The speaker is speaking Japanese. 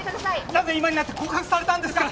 なぜ今になって告白されたんですか？